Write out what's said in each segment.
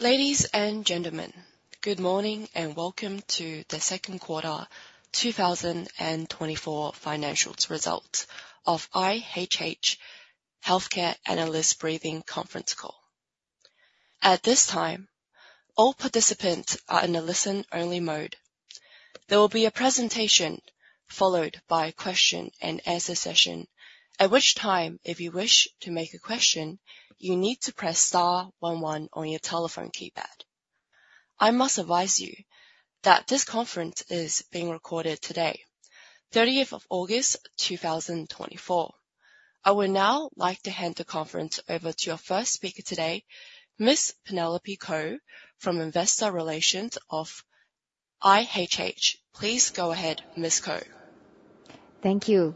Ladies and gentlemen, good morning, and welcome to the second quarter, 2024 financial results of IHH Healthcare analyst briefing conference call. At this time, all participants are in a listen-only mode. There will be a presentation followed by a question-and-answer session, at which time, if you wish to make a question, you need to press star one one on your telephone keypad. I must advise you that this conference is being recorded today, 13th of August, 2024. I would now like to hand the conference over to our first speaker today, Ms. Penelope Koh, from Investor Relations of IHH. Please go ahead, Ms. Koh. Thank you.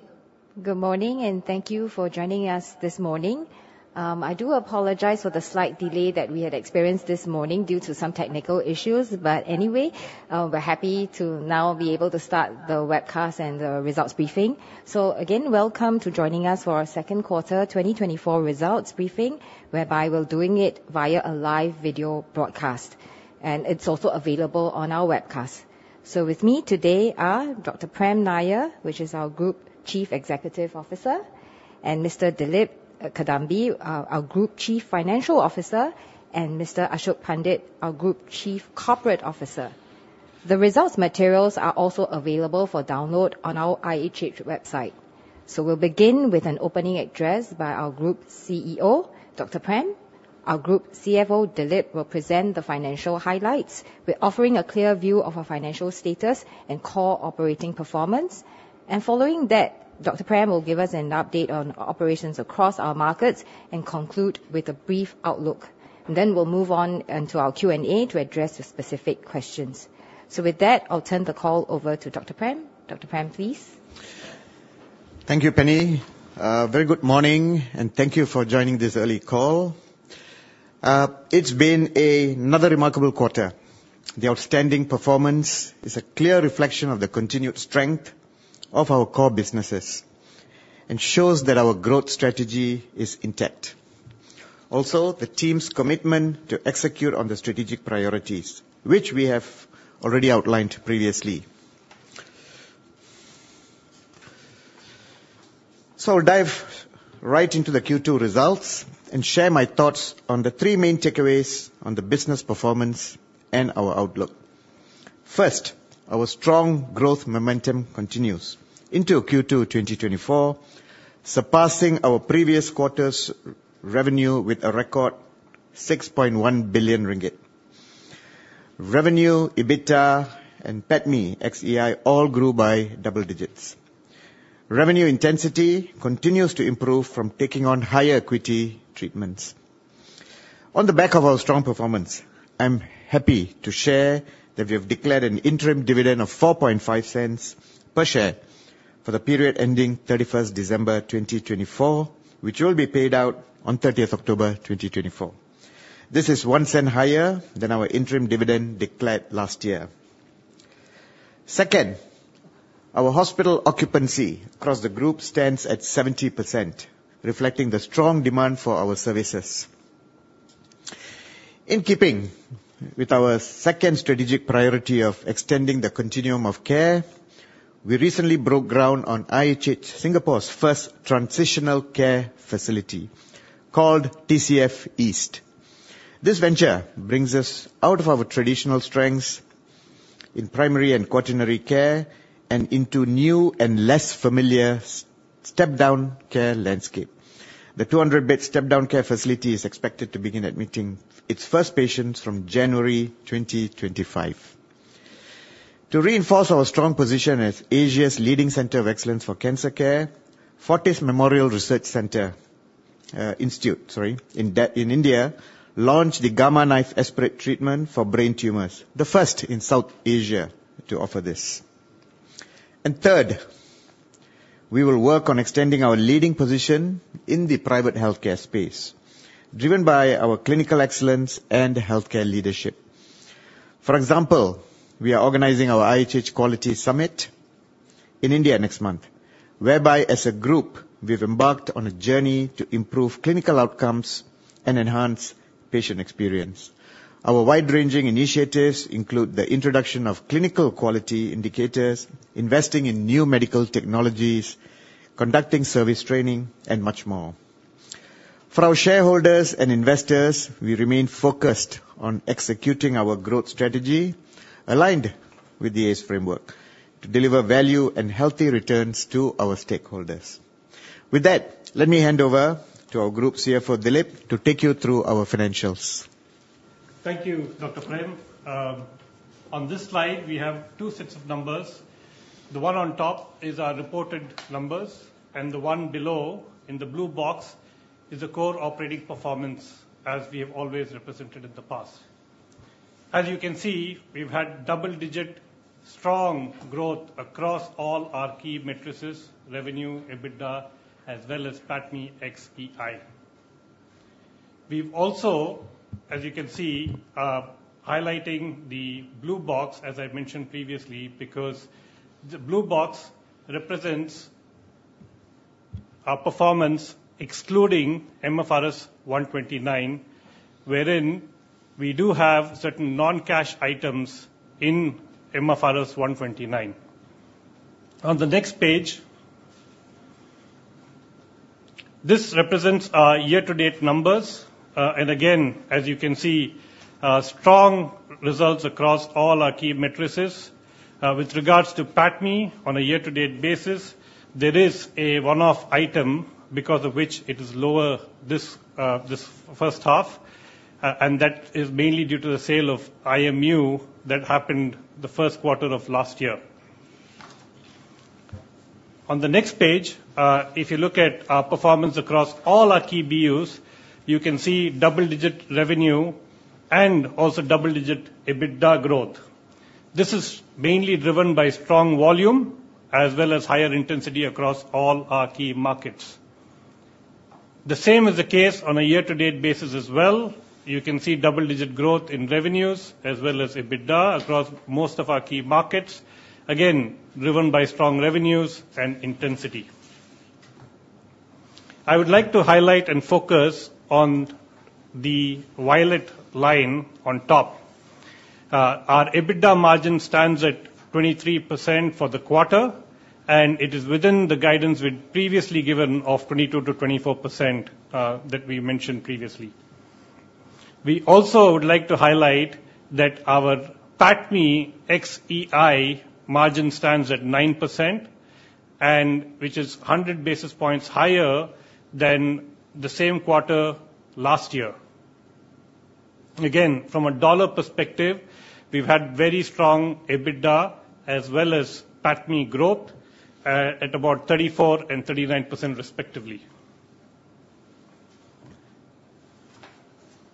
Good morning, and thank you for joining us this morning. I do apologize for the slight delay that we had experienced this morning due to some technical issues. But anyway, we're happy to now be able to start the webcast and the results briefing. So again, welcome to joining us for our second quarter, 2024 results briefing, whereby we're doing it via a live video broadcast, and it's also available on our webcast. So with me today are Dr. Prem Nair, which is our Group Chief Executive Officer, and Mr. Dilip Kadambi, our Group Chief Financial Officer, and Mr. Ashok Pandit, our Group Chief Corporate Officer. The results materials are also available for download on our IHH website. So we'll begin with an opening address by our Group CEO, Dr. Prem. Our Group CFO, Dilip, will present the financial highlights. We're offering a clear view of our financial status and core operating performance. And following that, Dr. Prem will give us an update on operations across our markets and conclude with a brief outlook. And then we'll move on into our Q&A to address the specific questions. So with that, I'll turn the call over to Dr. Prem. Dr. Prem, please. Thank you, Penny. Very good morning, and thank you for joining this early call. It's been another remarkable quarter. The outstanding performance is a clear reflection of the continued strength of our core businesses and shows that our growth strategy is intact. Also, the team's commitment to execute on the strategic priorities, which we have already outlined previously. So I'll dive right into the Q2 results and share my thoughts on the three main takeaways on the business performance and our outlook. First, our strong growth momentum continues into Q2, 2024, surpassing our previous quarter's revenue with a record MYR 6.1 billion. Revenue, EBITDA, and PATMI ex EI all grew by double digits. Revenue intensity continues to improve from taking on higher acuity treatments. On the back of our strong performance, I'm happy to share that we have declared an interim dividend of MYR 0.045 per share for the period ending 31st December 2024, which will be paid out on 30th October 2024. This is 0.01 higher than our interim dividend declared last year. Second, our hospital occupancy across the group stands at 70%, reflecting the strong demand for our services. In keeping with our second strategic priority of extending the continuum of care, we recently broke ground on IHH Singapore's first transitional care facility called TCF@East. This venture brings us out of our traditional strengths in primary and quaternary care and into new and less familiar step-down care landscape. The 200-bed step-down care facility is expected to begin admitting its first patients from January 2025. To reinforce our strong position as Asia's leading center of excellence for cancer care, Fortis Memorial Research Institute in India launched the Gamma Knife Esprit treatment for brain tumors, the first in South Asia to offer this. And third, we will work on extending our leading position in the private healthcare space, driven by our clinical excellence and healthcare leadership. For example, we are organizing our IHH Quality Summit in India next month, whereby as a group, we've embarked on a journey to improve clinical outcomes and enhance patient experience. Our wide-ranging initiatives include the introduction of clinical quality indicators, investing in new medical technologies, conducting service training, and much more. For our shareholders and investors, we remain focused on executing our growth strategy, aligned with the ACE framework, to deliver value and healthy returns to our stakeholders. With that, let me hand over to our Group CFO, Dilip, to take you through our financials. Thank you, Dr. Prem. On this slide, we have two sets of numbers. The one on top is our reported numbers, and the one below, in the blue box, is the core operating performance, as we have always represented in the past. As you can see, we've had double-digit strong growth across all our key metrics, revenue, EBITDA, as well as PATMI ex EI. We've also, as you can see, highlighting the blue box, as I mentioned previously, because the blue box represents our performance, excluding MFRS 129, wherein we do have certain non-cash items in MFRS 129. On the next page, this represents our year-to-date numbers. And again, as you can see, strong results across all our key metrics. With regards to PATMI, on a year-to-date basis, there is a one-off item because of which it is lower this first half, and that is mainly due to the sale of IMU that happened the first quarter of last year. On the next page, if you look at our performance across all our key BUs, you can see double-digit revenue and also double-digit EBITDA growth. This is mainly driven by strong volume, as well as higher intensity across all our key markets. The same is the case on a year-to-date basis as well. You can see double-digit growth in revenues, as well as EBITDA across most of our key markets, again, driven by strong revenues and intensity. I would like to highlight and focus on the violet line on top. Our EBITDA margin stands at 23% for the quarter, and it is within the guidance we'd previously given of 22%-24%, that we mentioned previously. We also would like to highlight that our PATMI ex EI margin stands at 9%, and which is 100 basis points higher than the same quarter last year. Again, from a dollar perspective, we've had very strong EBITDA, as well as PATMI growth, at about 34% and 39%, respectively.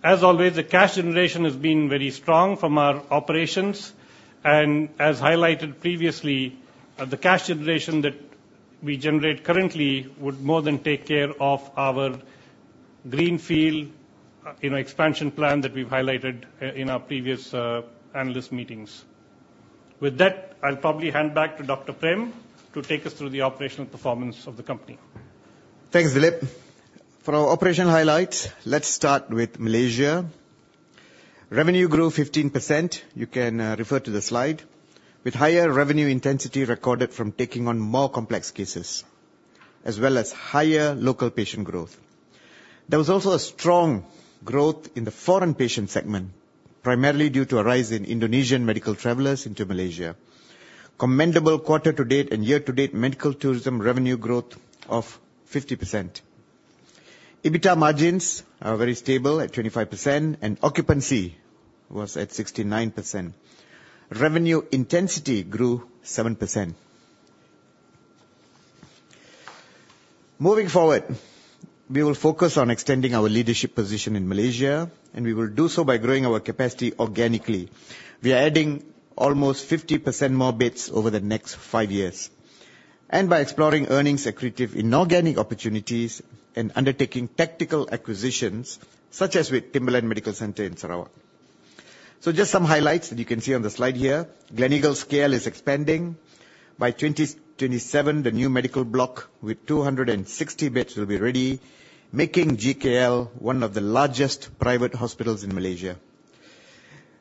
As always, the cash generation has been very strong from our operations, and as highlighted previously, the cash generation that we generate currently would more than take care of our greenfield, you know, expansion plan that we've highlighted in our previous analyst meetings. With that, I'll probably hand back to Dr. Prem to take us through the operational performance of the company. Thanks, Dilip. For our operational highlights, let's start with Malaysia. Revenue grew 15%, you can refer to the slide, with higher revenue intensity recorded from taking on more complex cases, as well as higher local patient growth. There was also a strong growth in the foreign patient segment, primarily due to a rise in Indonesian medical travelers into Malaysia. Commendable quarter-to-date and year-to-date medical tourism revenue growth of 50%. EBITDA margins are very stable at 25%, and occupancy was at 69%. Revenue intensity grew 7%. Moving forward, we will focus on extending our leadership position in Malaysia, and we will do so by growing our capacity organically. We are adding almost 50% more beds over the next five years, and by exploring earnings accretive inorganic opportunities and undertaking tactical acquisitions, such as with Timberland Medical Centre in Sarawak. Just some highlights that you can see on the slide here. Gleneagles KL is expanding. By 2027, the new medical block with 260 beds will be ready, making GKL one of the largest private hospitals in Malaysia.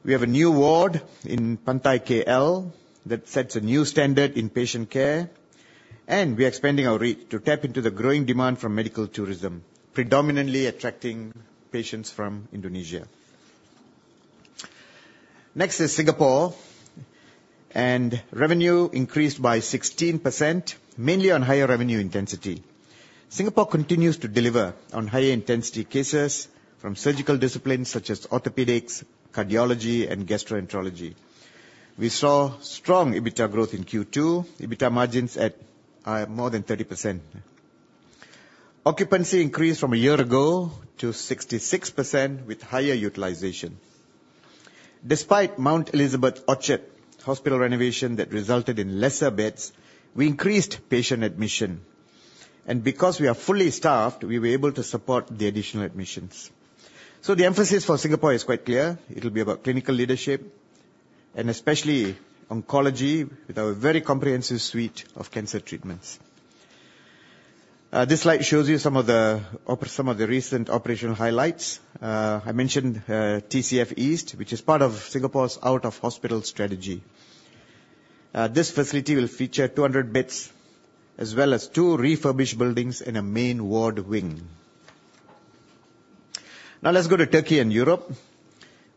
We have a new ward in Pantai KL that sets a new standard in patient care, and we are expanding our reach to tap into the growing demand from medical tourism, predominantly attracting patients from Indonesia. Next is Singapore, and revenue increased by 16%, mainly on higher revenue intensity. Singapore continues to deliver on higher intensity cases from surgical disciplines such as orthopedics, cardiology, and gastroenterology. We saw strong EBITDA growth in Q2. EBITDA margins at more than 30%. Occupancy increased from a year ago to 66% with higher utilization. Despite Mount Elizabeth Orchard Hospital renovation that resulted in lesser beds, we increased patient admission, and because we are fully staffed, we were able to support the additional admissions, so the emphasis for Singapore is quite clear. It'll be about clinical leadership and especially oncology, with our very comprehensive suite of cancer treatments. This slide shows you some of the recent operational highlights. I mentioned TCF East, which is part of Singapore's out-of-hospital strategy. This facility will feature two hundred beds, as well as two refurbished buildings and a main ward wing. Now, let's go to Turkey and Europe,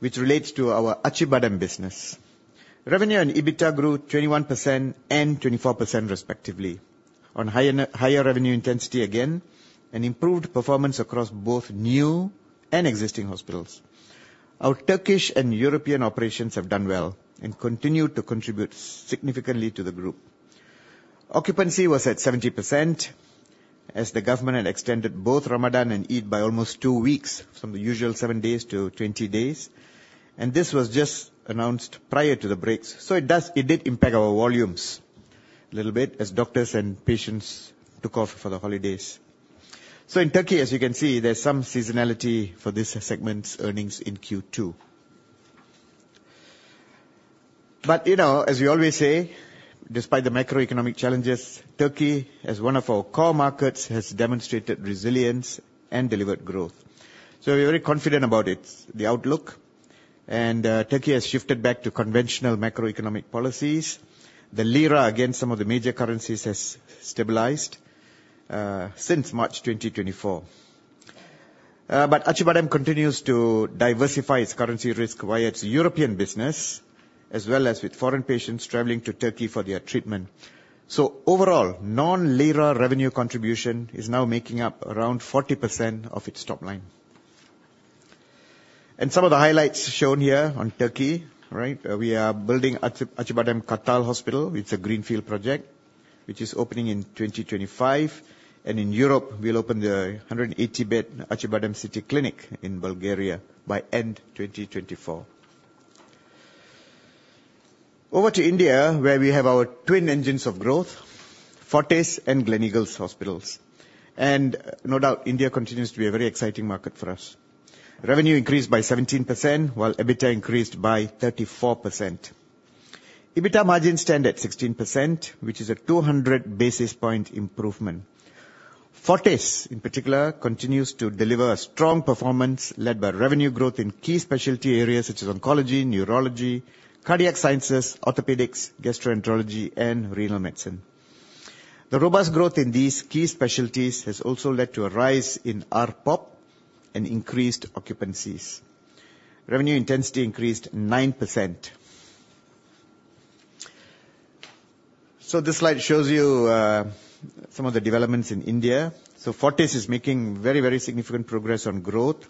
which relates to our Acıbadem business. Revenue and EBITDA grew 21% and 24%, respectively, on higher revenue intensity again, and improved performance across both new and existing hospitals. Our Turkish and European operations have done well and continue to contribute significantly to the group. Occupancy was at 70%, as the government had extended both Ramadan and Eid by almost two weeks, from the usual seven days to 20 days, and this was just announced prior to the breaks. It did impact our volumes a little bit as doctors and patients took off for the holidays. In Turkey, as you can see, there's some seasonality for this segment's earnings in Q2, but you know, as we always say, despite the macroeconomic challenges, Turkey, as one of our core markets, has demonstrated resilience and delivered growth, so we're very confident about it, the outlook, and Turkey has shifted back to conventional macroeconomic policies. The lira, against some of the major currencies, has stabilized since March 2024. But Acıbadem continues to diversify its currency risk via its European business, as well as with foreign patients traveling to Turkey for their treatment. So overall, non-lira revenue contribution is now making up around 40% of its top line. And some of the highlights shown here on Turkey, right? We are building Acıbadem Kartal Hospital. It's a greenfield project, which is opening in 2025, and in Europe, we'll open the 180-bed Acıbadem City Clinic in Bulgaria by end 2024. Over to India, where we have our twin engines of growth, Fortis and Gleneagles Hospitals. And no doubt, India continues to be a very exciting market for us. Revenue increased by 17%, while EBITDA increased by 34%. EBITDA margins stand at 16%, which is a 200 basis point improvement. Fortis, in particular, continues to deliver a strong performance, led by revenue growth in key specialty areas such as oncology, neurology, cardiac sciences, orthopedics, gastroenterology, and renal medicine. The robust growth in these key specialties has also led to a rise in ARPOB and increased occupancies. Revenue intensity increased 9%. So this slide shows you, some of the developments in India. So Fortis is making very, very significant progress on growth.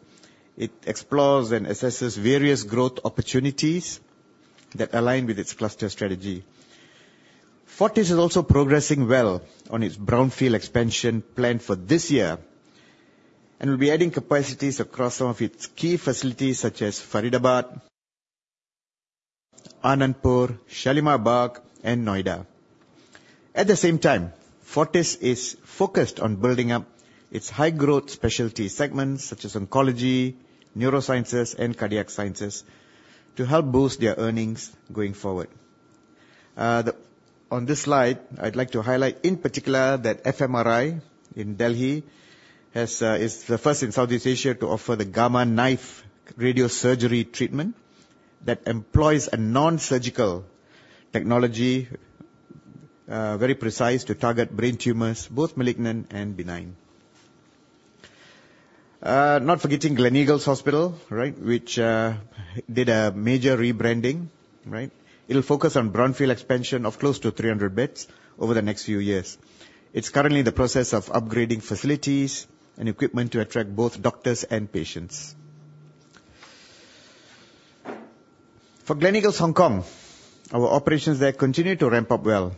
It explores and assesses various growth opportunities that align with its cluster strategy. Fortis is also progressing well on its brownfield expansion plan for this year, and will be adding capacities across some of its key facilities, such as Faridabad, Anandapur, Shalimar Bagh, and Noida. At the same time, Fortis is focused on building up its high-growth specialty segments, such as oncology, neurosciences, and cardiac sciences, to help boost their earnings going forward. The. On this slide, I'd like to highlight, in particular, that FMRI in Delhi is the first in Southeast Asia to offer the Gamma Knife radiosurgery treatment that employs a non-surgical technology, very precise, to target brain tumors, both malignant and benign. Not forgetting Gleneagles Hospital, right, which did a major rebranding, right? It'll focus on brownfield expansion of close to 300 beds over the next few years. It's currently in the process of upgrading facilities and equipment to attract both doctors and patients. For Gleneagles Hong Kong, our operations there continue to ramp up well.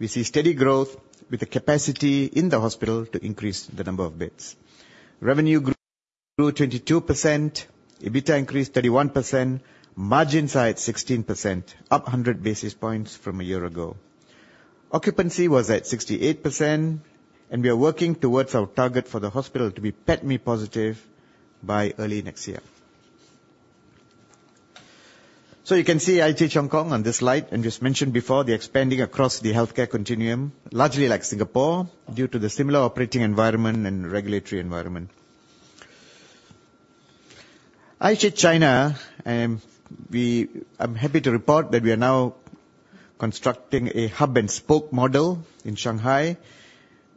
We see steady growth with the capacity in the hospital to increase the number of beds. Revenue grew 22%, EBITDA increased 31%, margins 16%, up 100 basis points from a year ago. Occupancy was at 68%, and we are working towards our target for the hospital to be PATMI positive by early next year. You can see IHH Hong Kong on this slide, and just mentioned before, they're expanding across the healthcare continuum, largely like Singapore, due to the similar operating environment and regulatory environment. IHH China, I'm happy to report that we are now constructing a hub-and-spoke model in Shanghai,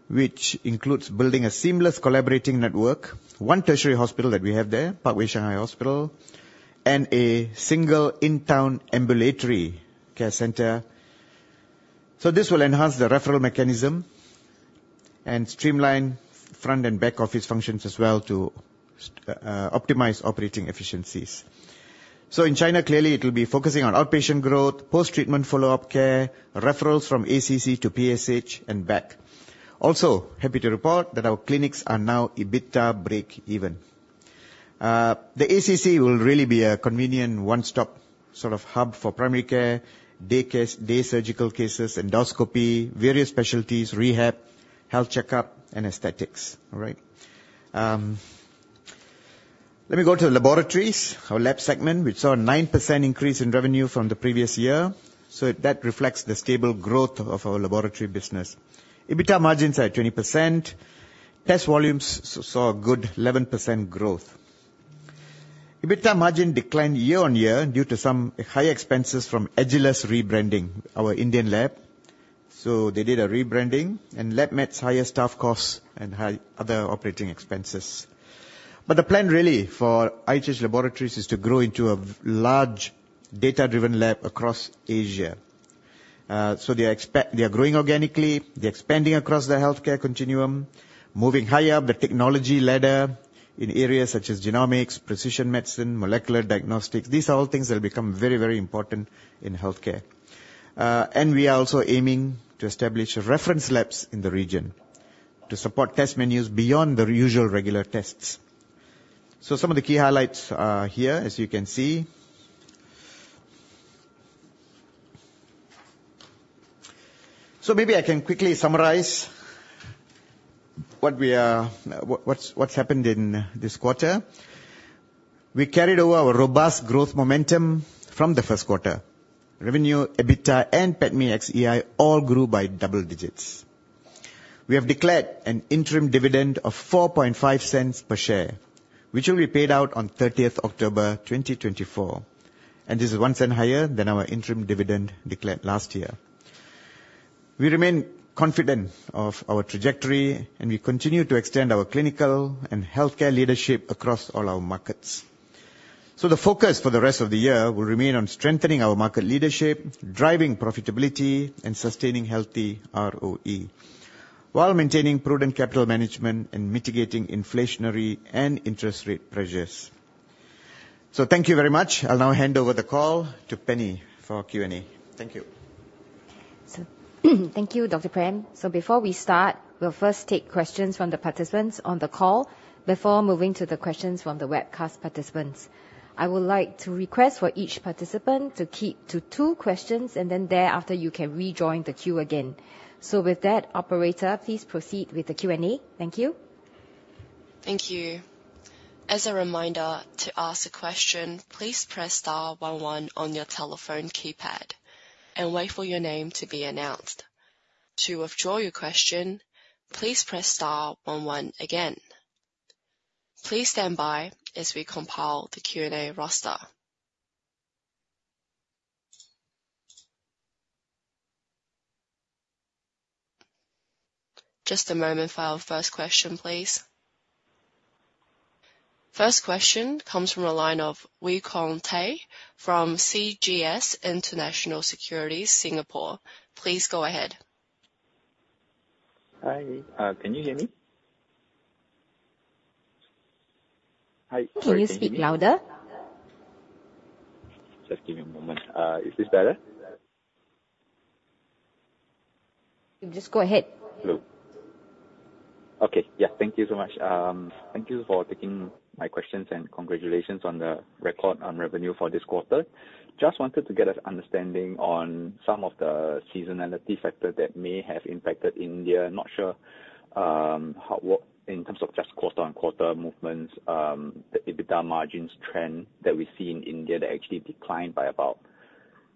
which includes building a seamless collaborating network, one tertiary hospital that we have there, Parkway Shanghai Hospital, and a single in-town ambulatory care center. This will enhance the referral mechanism and streamline front and back office functions as well to optimize operating efficiencies. In China, clearly, it will be focusing on outpatient growth, post-treatment follow-up care, referrals from ACC to PSH, and back. Also, happy to report that our clinics are now EBITDA breakeven. The ACC will really be a convenient one-stop, sort of hub for primary care, day case, day surgical cases, endoscopy, various specialties, rehab, health checkup, and aesthetics. All right. Let me go to the laboratories. Our lab segment, which saw a 9% increase in revenue from the previous year, so that reflects the stable growth of our laboratory business. EBITDA margins are at 20%. Test volumes saw a good 11% growth. EBITDA margin declined year on year due to some high expenses from Agilus rebranding, our Indian lab. So they did a rebranding, and had higher staff costs and high other operating expenses. But the plan, really, for IHH Laboratories is to grow into a large, data-driven lab across Asia. So they are growing organically. They're expanding across the healthcare continuum, moving higher up the technology ladder in areas such as genomics, precision medicine, molecular diagnostics. These are all things that will become very, very important in healthcare. And we are also aiming to establish reference labs in the region to support test menus beyond the usual regular tests. Some of the key highlights are here, as you can see. Maybe I can quickly summarize what has happened in this quarter. We carried over our robust growth momentum from the first quarter. Revenue, EBITDA, and PATMI ex EI all grew by double digits. We have declared an interim dividend of 0.045 per share, which will be paid out on 30th October, 2024, and this is 0.01 higher than our interim dividend declared last year. We remain confident of our trajectory, and we continue to extend our clinical and healthcare leadership across all our markets. So the focus for the rest of the year will remain on strengthening our market leadership, driving profitability, and sustaining healthy ROE, while maintaining prudent capital management and mitigating inflationary and interest rate pressures. So thank you very much. I'll now hand over the call to Penny for Q&A. Thank you. So, thank you, Dr. Prem. So before we start, we'll first take questions from the participants on the call before moving to the questions from the webcast participants. I would like to request for each participant to keep to two questions, and then thereafter, you can rejoin the queue again. So with that, operator, please proceed with the Q&A. Thank you. Thank you. As a reminder, to ask a question, please press star one one on your telephone keypad and wait for your name to be announced. To withdraw your question, please press star one one again. Please stand by as we compile the Q&A roster. Just a moment for our first question, please. First question comes from a line of Wee Kuang Tay from CGS International Securities, Singapore. Please go ahead. Hi, can you hear me? Hi, sorry, can you hear me? Can you speak louder? Just give me a moment. Is this better? Just go ahead. Hello. Okay, yeah. Thank you so much. Thank you for taking my questions, and congratulations on the record on revenue for this quarter. Just wanted to get an understanding on some of the seasonality factor that may have impacted India. Not sure how what, in terms of just quarter on quarter movements, the EBITDA margins trend that we see in India, that actually declined by about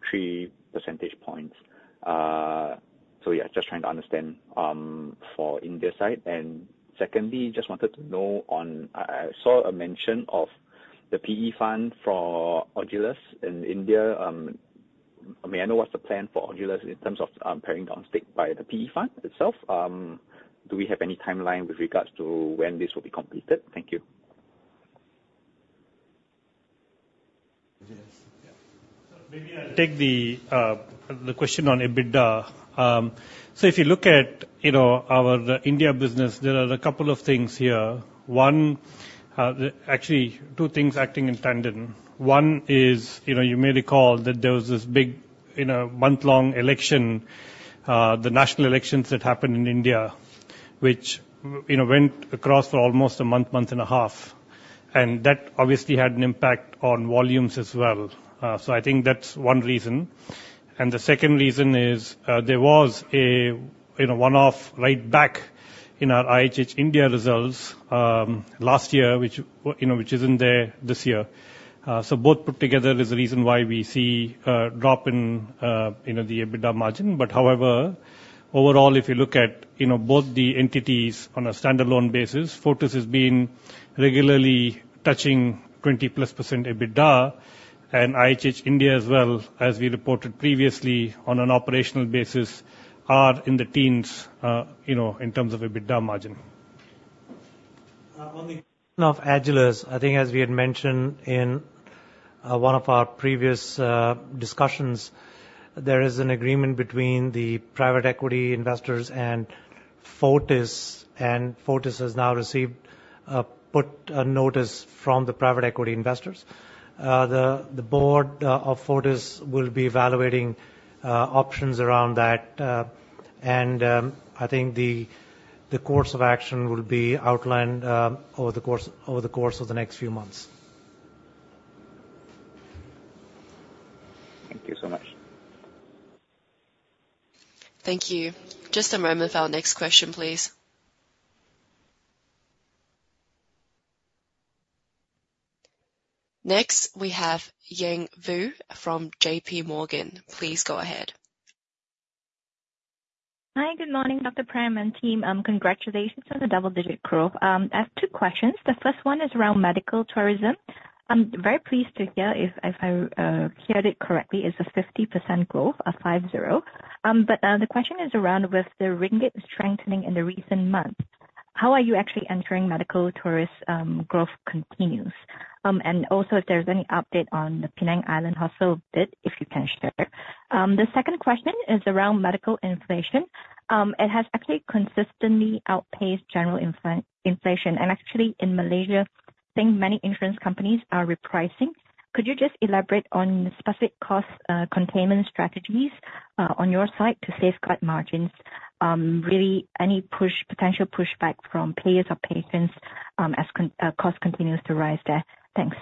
three percentage points. So, yeah, just trying to understand for India side. And secondly, just wanted to know on... I saw a mention of the PE fund for Agilus in India. May I know what's the plan for Agilus in terms of paring down stake by the PE fund itself? Do we have any timeline with regards to when this will be completed? Thank you. Yes. Yeah. Maybe I'll take the question on EBITDA. So if you look at, you know, our India business, there are a couple of things here. One, actually two things acting in tandem. One is, you know, you may recall that there was this big, you know, month-long election, the national elections that happened in India, which, you know, went across for almost a month and a half, and that obviously had an impact on volumes as well. So I think that's one reason. And the second reason is, there was a, you know, one-off right back in our IHH India results, last year, which, you know, isn't there this year. So both put together is the reason why we see a drop in, you know, the EBITDA margin. However, overall, if you look at, you know, both the entities on a standalone basis, Fortis has been regularly touching 20%+ EBITDA and IHH, India as well, as we reported previously on an operational basis, are in the teens, you know, in terms of EBITDA margin. On Agilus, I think as we had mentioned in one of our previous discussions, there is an agreement between the private equity investors and Fortis, and Fortis has now received a put notice from the private equity investors. The board of Fortis will be evaluating options around that. And I think the course of action will be outlined over the course of the next few months. Thank you so much. Thank you. Just a moment for our next question, please. Next, we have Yang Wu from J.P. Morgan. Please go ahead. Hi, good morning, Dr. Prem and team. Congratulations on the double-digit growth. I have two questions. The first one is around medical tourism. I'm very pleased to hear, if I heard it correctly, it's a 50% growth, a five zero. But the question is around, with the ringgit strengthening in the recent months, how are you actually ensuring medical tourism growth continues? And also if there's any update on the Island Hospital bid, if you can share. The second question is around medical inflation. It has actually consistently outpaced general inflation, and actually in Malaysia, I think many insurance companies are repricing. Could you just elaborate on specific cost containment strategies on your side to safeguard margins? Really, any potential pushback from payers or patients as cost continues to rise there? Thanks.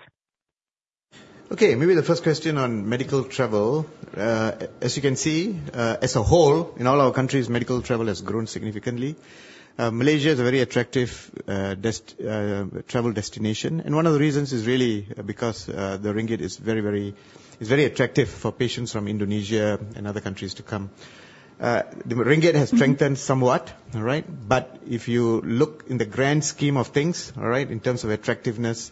Okay, maybe the first question on medical travel. As you can see, as a whole, in all our countries, medical travel has grown significantly. Malaysia is a very attractive travel destination, and one of the reasons is really because the ringgit is very attractive for patients from Indonesia and other countries to come. The ringgit has strengthened somewhat, all right? But if you look in the grand scheme of things, all right, in terms of attractiveness,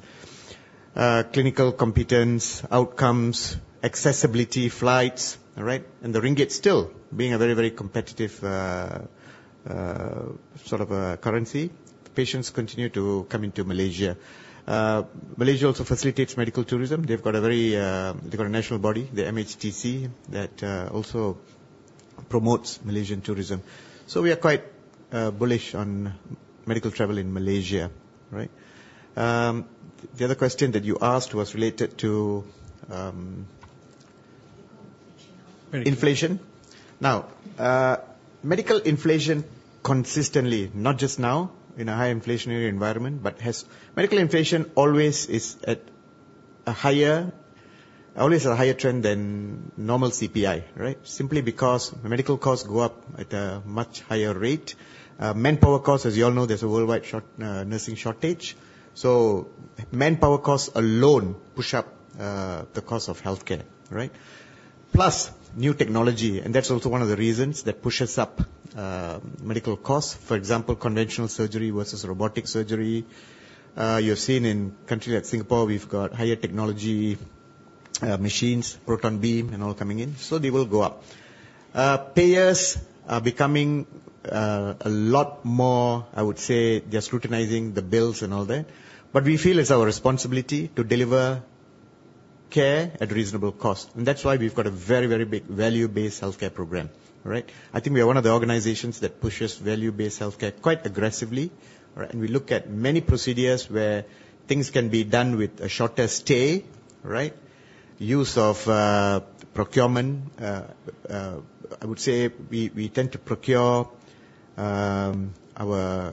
clinical competence, outcomes, accessibility, flights, all right, and the ringgit still being a very competitive sort of a currency, patients continue to come into Malaysia. Malaysia also facilitates medical tourism. They've got a national body, the MHTC, that also promotes Malaysian tourism. So we are quite bullish on medical travel in Malaysia, right? The other question that you asked was related to, Inflation. Inflation. Now, medical inflation consistently, not just now in a high inflationary environment, but medical inflation always is at a higher, always a higher trend than normal CPI, right? Simply because medical costs go up at a much higher rate. Manpower costs, as you all know, there's a worldwide nursing shortage. So manpower costs alone push up, the cost of healthcare, right? Plus, new technology, and that's also one of the reasons that pushes up, medical costs. For example, conventional surgery versus robotic surgery. You've seen in country like Singapore, we've got higher technology, machines, proton beam, and all coming in, so they will go up. Payers are becoming, a lot more, I would say, they're scrutinizing the bills and all that. But we feel it's our responsibility to deliver care at reasonable cost, and that's why we've got a very, very big value-based healthcare program. All right? I think we are one of the organizations that pushes value-based healthcare quite aggressively, all right, and we look at many procedures where things can be done with a shorter stay, right? Use of procurement. I would say we tend to procure our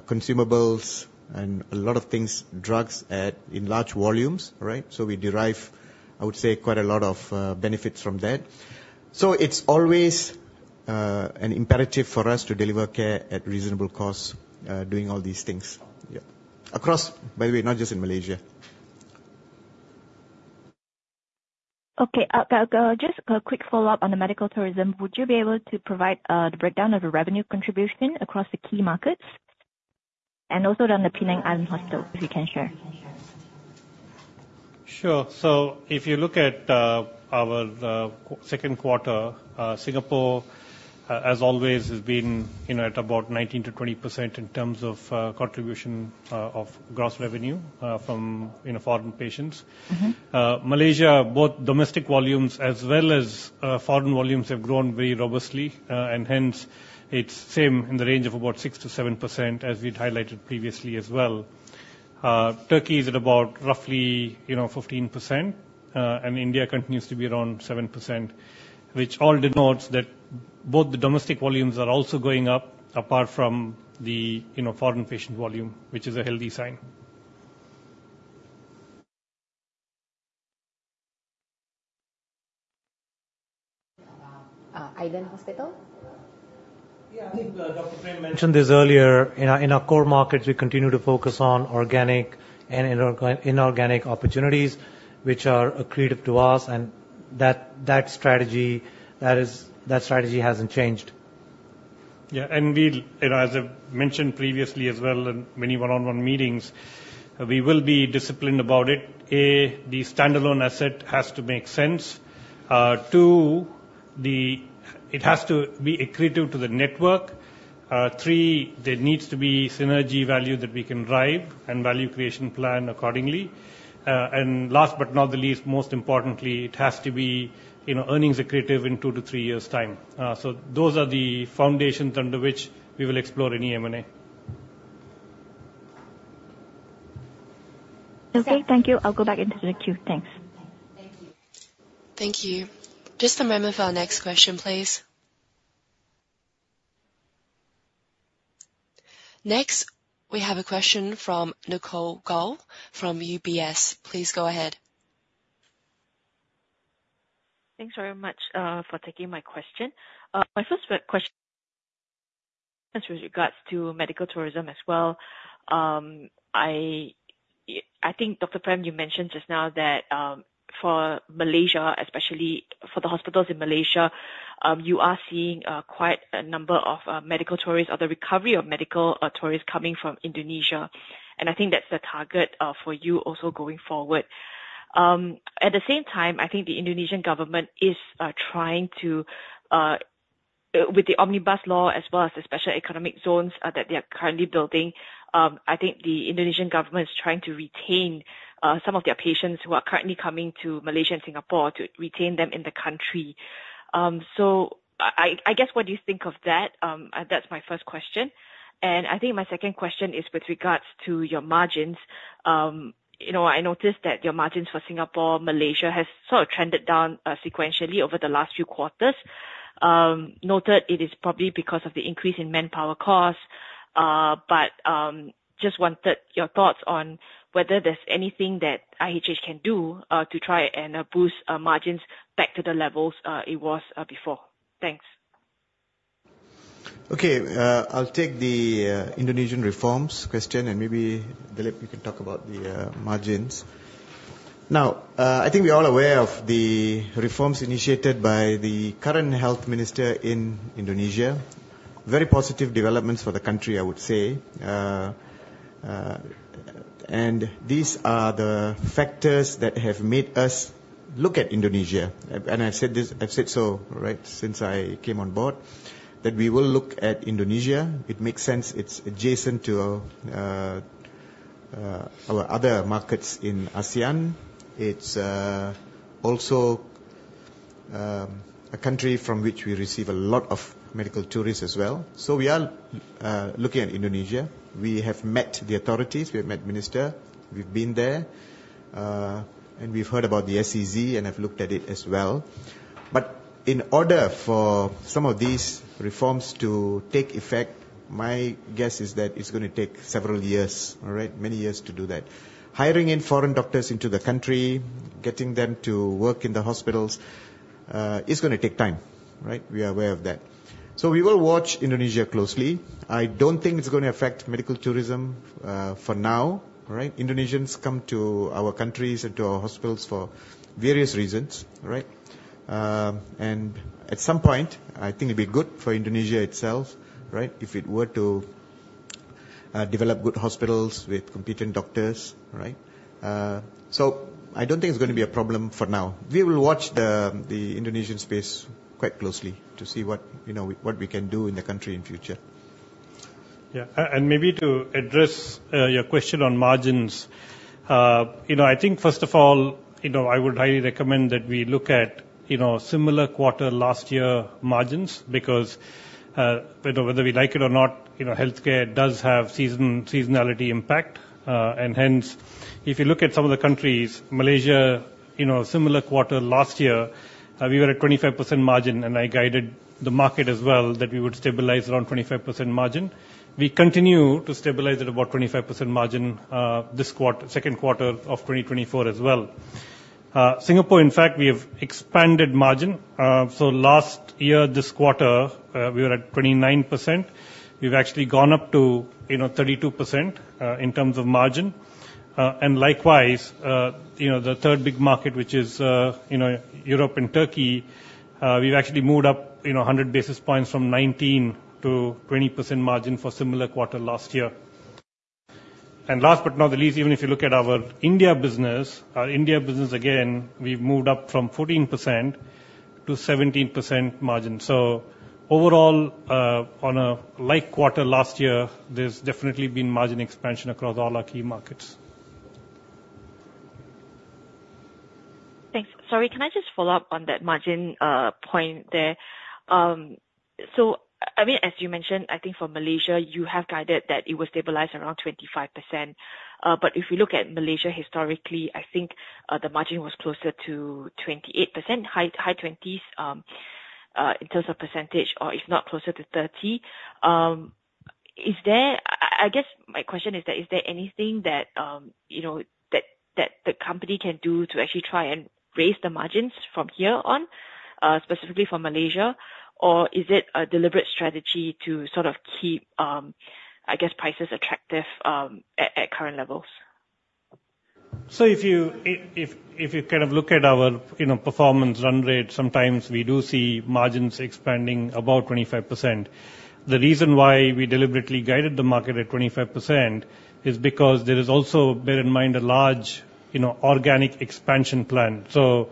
consumables and a lot of things, drugs, at, in large volumes, right? So we derive, I would say, quite a lot of benefits from that. So it's always an imperative for us to deliver care at reasonable costs, doing all these things. Yeah. Across, by the way, not just in Malaysia. Okay, just a quick follow-up on the medical tourism. Would you be able to provide the breakdown of the revenue contribution across the key markets, and also on the Penang Island Hospital, if you can share? Sure. So if you look at our second quarter, Singapore, as always, has been, you know, at about 19%-20% in terms of contribution of gross revenue from, you know, foreign patients. Mm-hmm. Malaysia, both domestic volumes as well as, foreign volumes, have grown very robustly, and hence it's same in the range of about 6%-7%, as we'd highlighted previously as well. Turkey is at about roughly, you know, 15%, and India continues to be around 7%, which all denotes that both the domestic volumes are also going up, apart from the, you know, foreign patient volume, which is a healthy sign. Island Hospital? Yeah, I think Dr. Prem mentioned this earlier. In our core markets, we continue to focus on organic and inorganic opportunities which are accretive to us, and that strategy hasn't changed. Yeah, and we, you know, as I've mentioned previously as well in many one-on-one meetings, we will be disciplined about it. A, the standalone asset has to make sense. Two, it has to be accretive to the network. Three, there needs to be synergy value that we can derive and value creation plan accordingly. And last but not the least, most importantly, it has to be, you know, earnings accretive in two to three years' time. So those are the foundations under which we will explore any M&A. Okay, thank you. I'll go back into the queue. Thanks. Thank you. Thank you. Just a moment for our next question, please. Next, we have a question from Nicole Goh from UBS. Please go ahead. Thanks very much for taking my question. My first question with regards to medical tourism as well. I think, Dr. Prem, you mentioned just now that for Malaysia, especially for the hospitals in Malaysia, you are seeing quite a number of medical tourists or the recovery of medical tourists coming from Indonesia, and I think that's the target for you also going forward. At the same time, I think the Indonesian government is trying to with the Omnibus law, as well as the special economic zones that they are currently building. I think the Indonesian government is trying to retain some of their patients who are currently coming to Malaysia and Singapore, to retain them in the country. So I guess, what do you think of that? That's my first question, and I think my second question is with regards to your margins. You know, I noticed that your margins for Singapore, Malaysia, has sort of trended down sequentially over the last few quarters. Noted it is probably because of the increase in manpower costs, but just wanted your thoughts on whether there's anything that IHH can do to try and boost margins back to the levels it was before? Thanks. Okay. I'll take the Indonesian reforms question, and maybe Dilip, you can talk about the margins. Now, I think we're all aware of the reforms initiated by the current health minister in Indonesia. Very positive developments for the country, I would say, and these are the factors that have made us look at Indonesia and I said this, I've said so, right, since I came on board, that we will look at Indonesia. It makes sense, it's adjacent to our other markets in ASEAN. It's also a country from which we receive a lot of medical tourists as well so we are looking at Indonesia. We have met the authorities, we have met minister, we've been there, and we've heard about the SEZ, and have looked at it as well. But in order for some of these reforms to take effect, my guess is that it's gonna take several years, all right? Many years to do that. Hiring in foreign doctors into the country, getting them to work in the hospitals, is gonna take time, right? We are aware of that. So we will watch Indonesia closely. I don't think it's gonna affect medical tourism, for now, right? Indonesians come to our countries and to our hospitals for various reasons, right? And at some point, I think it'd be good for Indonesia itself, right, if it were to develop good hospitals with competent doctors, right? So I don't think it's gonna be a problem for now. We will watch the Indonesian space quite closely to see what, you know, what we can do in the country in future. Yeah. And maybe to address your question on margins. You know, I think first of all, you know, I would highly recommend that we look at, you know, similar quarter last year margins, because, you know, whether we like it or not, you know, healthcare does have seasonality impact. And hence, if you look at some of the countries, Malaysia, you know, similar quarter last year, we were at 25% margin, and I guided the market as well, that we would stabilize around 25% margin. We continue to stabilize at about 25% margin, this quarter, second quarter of 2024 as well. Singapore, in fact, we have expanded margin. So last year, this quarter, we were at 29%. We've actually gone up to, you know, 32%, in terms of margin. And likewise, you know, the third big market, which is, you know, Europe and Turkey, we've actually moved up, you know, 100 basis points from 19% to 20% margin for similar quarter last year. And last but not the least, even if you look at our India business, again, we've moved up from 14% to 17% margin. So overall, on a like quarter last year, there's definitely been margin expansion across all our key markets. Thanks. Sorry, can I just follow up on that margin point there? So, I mean, as you mentioned, I think for Malaysia, you have guided that it will stabilize around 25%. But if you look at Malaysia historically, I think the margin was closer to 28%, high 20s, in terms of percentage, or if not closer to 30%. Is there... I guess my question is that, is there anything that, you know, that the company can do to actually try and raise the margins from here on, specifically for Malaysia? Or is it a deliberate strategy to sort of keep, I guess, prices attractive, at current levels? So if you kind of look at our, you know, performance run rate, sometimes we do see margins expanding about 25%. The reason why we deliberately guided the market at 25% is because there is also, bear in mind, a large, you know, organic expansion plan. So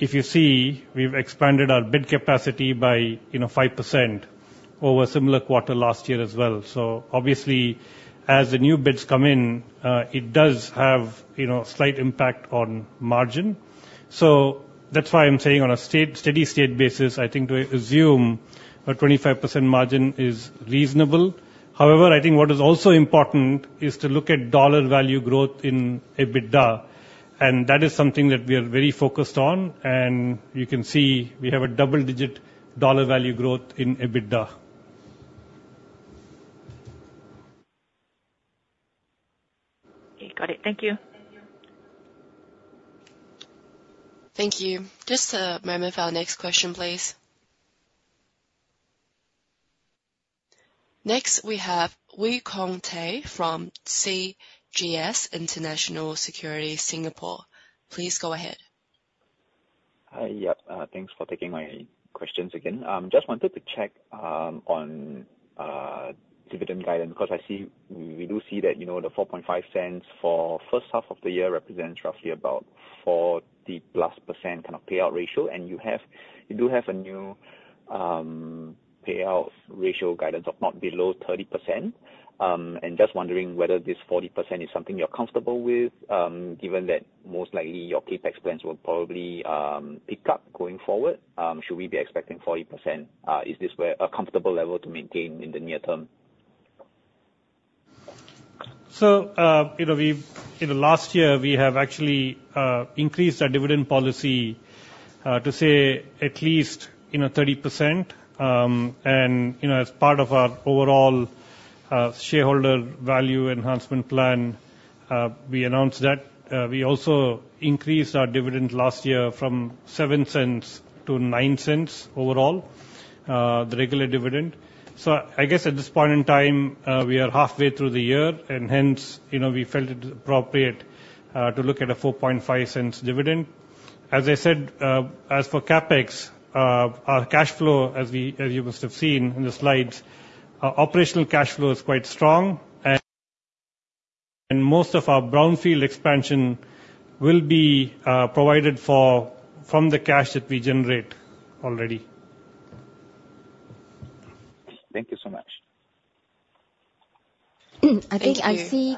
if you see, we've expanded our bed capacity by, you know, 5% over a similar quarter last year as well. So obviously, as the new beds come in, it does have, you know, a slight impact on margin. So that's why I'm saying on a steady state basis, I think to assume a 25% margin is reasonable. However, I think what is also important is to look at dollar value growth in EBITDA, and that is something that we are very focused on, and you can see we have a double-digit dollar value growth in EBITDA. Okay, got it. Thank you. Thank you. Just a moment for our next question, please. Next, we have Wee Kuang Tay from CGS International Securities Singapore. Please go ahead. Hi, yeah. Thanks for taking my questions again. Just wanted to check on dividend guidance, 'cause I see- we do see that, you know, the 0.045 for first half of the year represents roughly about 40% kind of payout ratio. And you have- you do have a new payout ratio guidance of not below 30%. And just wondering whether this 40% is something you're comfortable with, given that most likely your CapEx plans will probably pick up going forward. Should we be expecting 40%? Is this where a comfortable level to maintain in the near term? So, you know, in the last year, we have actually increased our dividend policy to say at least, you know, 30%. And, you know, as part of our overall shareholder value enhancement plan, we announced that we also increased our dividend last year from 0.07 to 0.09 overall, the regular dividend. So I guess at this point in time, we are halfway through the year, and hence, you know, we felt it appropriate to look at a 0.045 dividend. As I said, as for CapEx, our cash flow, as you must have seen in the slides, our operational cash flow is quite strong, and most of our brownfield expansion will be provided for from the cash that we generate already. Thank you so much. Thank you. I think I see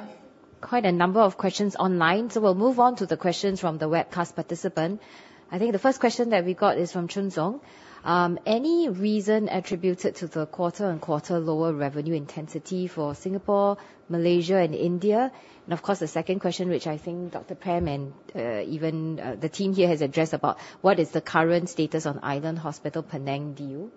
quite a number of questions online, so we'll move on to the questions from the webcast participant. I think the first question that we got is from Chun Zhong. Any reason attributed to the quarter and quarter lower revenue intensity for Singapore, Malaysia and India? And of course, the second question, which I think Dr. Prem and even the team here has addressed, about what is the current status on Island Hospital, Penang deal?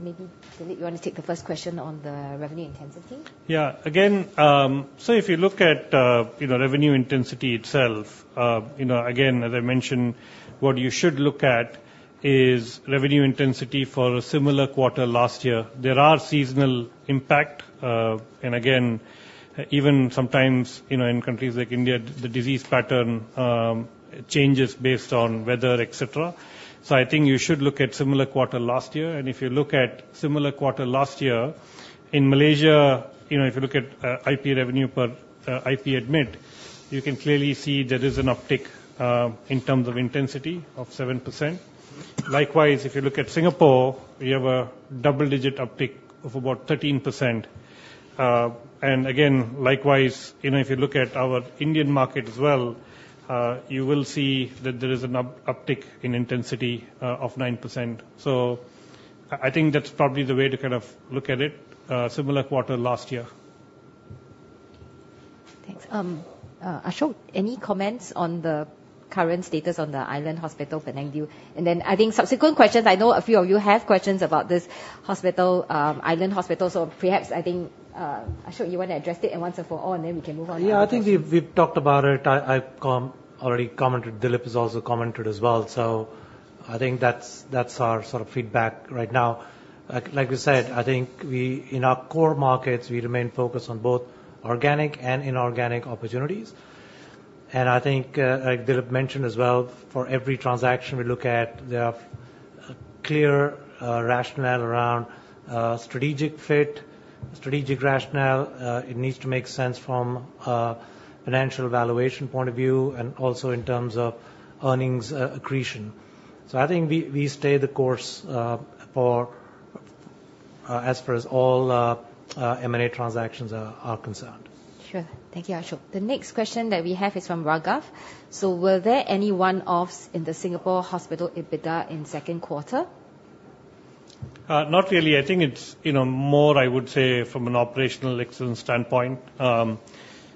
Maybe, Dilip, you want to take the first question on the revenue intensity? Yeah. Again, so if you look at, you know, revenue intensity itself, you know, again, as I mentioned, what you should look at is revenue intensity for a similar quarter last year. There are seasonal impact. And again, even sometimes, you know, in countries like India, the disease pattern changes based on weather, et cetera. So I think you should look at similar quarter last year, and if you look at similar quarter last year, in Malaysia, you know, if you look at IP revenue per IP admit, you can clearly see there is an uptick in terms of intensity of 7%. Likewise, if you look at Singapore, we have a double-digit uptick of about 13%. And again, likewise, you know, if you look at our Indian market as well, you will see that there is an uptick in intensity of 9%. So I think that's probably the way to kind of look at it, similar quarter last year. Thanks. Ashok, any comments on the current status on the Island Hospital, Penang deal? And then, I think subsequent questions, I know a few of you have questions about this hospital, Island Hospital. So perhaps, I think, Ashok, you want to address it once and for all, and then we can move on? Yeah, I think we've talked about it. I've already commented. Dilip has also commented as well, so I think that's our sort of feedback right now. Like we said, I think we in our core markets remain focused on both organic and inorganic opportunities, and I think, like Dilip mentioned as well, for every transaction we look at, there are clear rationale around strategic fit, strategic rationale. It needs to make sense from a financial valuation point of view and also in terms of earnings accretion. So I think we stay the course for as far as all M&A transactions are concerned. Sure. Thank you, Ashok. The next question that we have is from Raghav. So were there any one-offs in the Singapore hospital EBITDA in second quarter? Not really. I think it's, you know, more, I would say, from an operational excellence standpoint.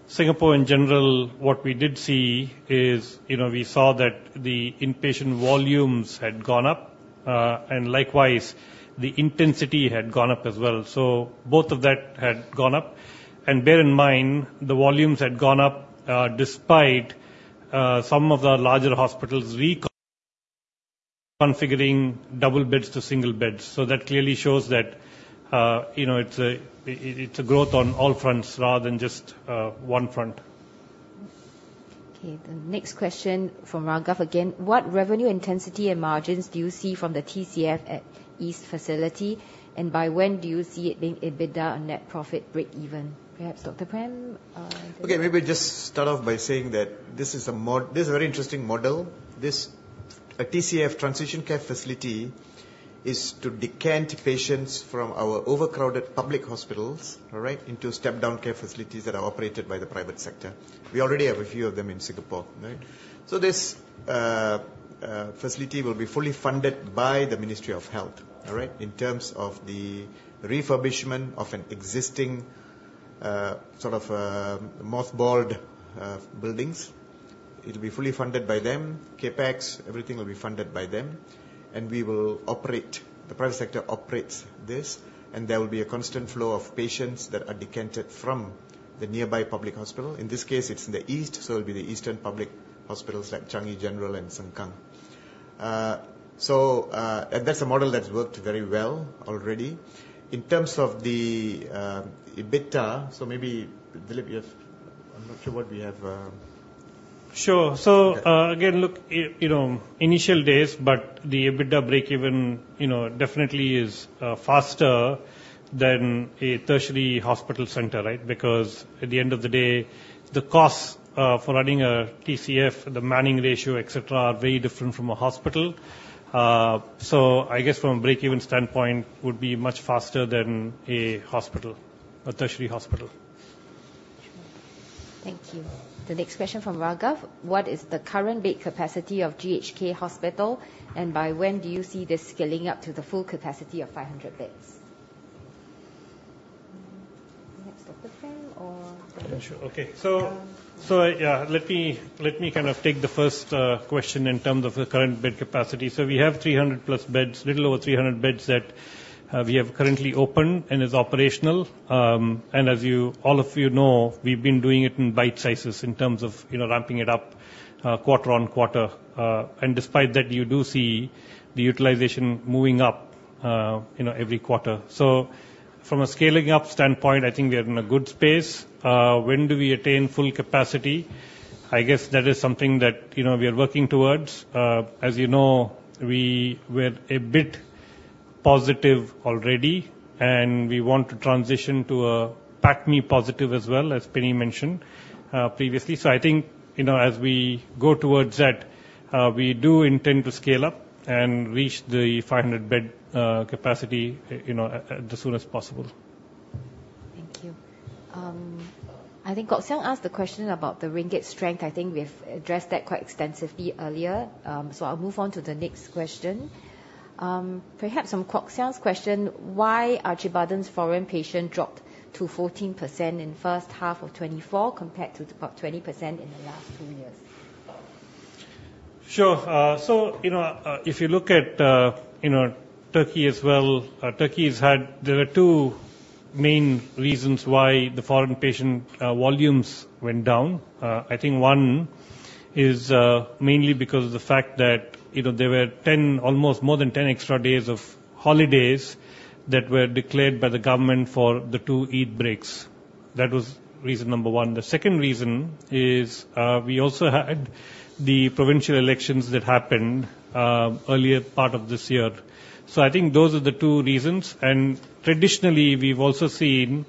Singapore in general, what we did see is, you know, we saw that the inpatient volumes had gone up, and likewise, the intensity had gone up as well. So both of that had gone up. And bear in mind, the volumes had gone up, despite, some of the larger hospitals reconfiguring double beds to single beds. So that clearly shows that, you know, it's a, it, it's a growth on all fronts rather than just, one front. Okay, the next question from Raghav again: What revenue intensity and margins do you see from the TCF@East facility, and by when do you see it being EBITDA and net profit break even? Perhaps, Dr. Prem. Okay, maybe just start off by saying that this is a model. This, a TCF, Transitional Care Facility, is to decant patients from our overcrowded public hospitals, all right, into step-down care facilities that are operated by the private sector. We already have a few of them in Singapore, right? So this facility will be fully funded by the Ministry of Health, all right? In terms of the refurbishment of an existing, sort of, mothballed buildings. It'll be fully funded by them. CapEx, everything will be funded by them, and we will operate the private sector operates this, and there will be a constant flow of patients that are decanted from the nearby public hospital. In this case, it's in the east, so it'll be the eastern public hospitals like Changi General Hospital and Sengkang General Hospital. So, and that's a model that's worked very well already. In terms of the EBITDA, so maybe, Dilip, yes, I'm not sure what we have. Sure. So, again, look, you know, initial days, but the EBITDA break even, you know, definitely is faster than a tertiary hospital center, right? Because at the end of the day, the costs for running a TCF, the manning ratio, et cetera, are very different from a hospital. So I guess from a break-even standpoint, would be much faster than a hospital, a tertiary hospital. Thank you. The next question from Raghav: "What is the current bed capacity of GHK Hospital, and by when do you see this scaling up to the full capacity of five hundred beds?" Perhaps, Dr. Tsang or- Sure. Okay. So, let me kind of take the first question in terms of the current bed capacity. So we have three hundred plus beds, little over three hundred beds, that we have currently open and is operational. And as you, all of you know, we've been doing it in bite sizes in terms of, you know, ramping it up, quarter-on-quarter. And despite that, you do see the utilization moving up, you know, every quarter. So from a scaling up standpoint, I think we are in a good space. When do we attain full capacity? I guess that is something that, you know, we are working towards. As you know, we were a bit positive already, and we want to transition to PATMI positive as well, as Penny mentioned, previously. So I think, you know, as we go towards that, we do intend to scale up and reach the 500-bed capacity, you know, as soon as possible. Thank you. I think Kok Leong asked the question about the ringgit strength. I think we've addressed that quite extensively earlier, so I'll move on to the next question. Perhaps on Kok Leong's question, why Acıbadem's foreign patient dropped to 14% in first half of 2024, compared to about 20% in the last two years? Sure, so you know, if you look at, you know, Turkey as well, Turkey has had. There are two main reasons why the foreign patient volumes went down. I think one is mainly because of the fact that, you know, there were ten, almost more than ten extra days of holidays that were declared by the government for the two Eid breaks. That was reason number one. The second reason is, we also had the provincial elections that happened, earlier part of this year, so I think those are the two reasons, and traditionally we've also seen,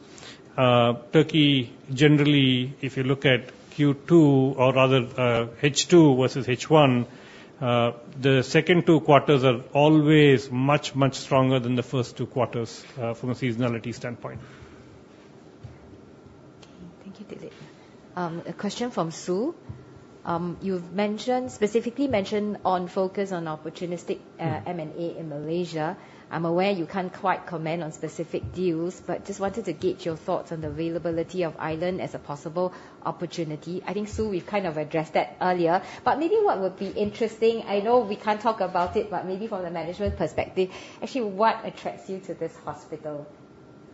Turkey generally, if you look at Q2 or rather, H2 versus H1, the second two quarters are always much, much stronger than the first two quarters, from a seasonality standpoint. Thank you, Dilip. A question from Sue. You've mentioned, specifically mentioned on focus on opportunistic M&A in Malaysia. I'm aware you can't quite comment on specific deals, but just wanted to get your thoughts on the availability of Island as a possible opportunity. I think, Sue, we've kind of addressed that earlier, but maybe what would be interesting. I know we can't talk about it, but maybe from a management perspective, actually, what attracts you to this hospital?